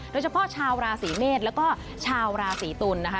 โดยเฉพาะชาวราศีเมษแล้วก็ชาวราศีตุลนะคะ